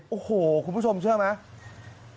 โอ้โหคุณผู้ชมเชื่อไหม